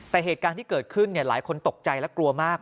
แต่เหตุการณ์ที่เกิดขึ้นหลายคนตกใจและกลัวมาก